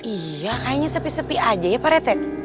iya kayaknya sepi sepi aja ya pak retek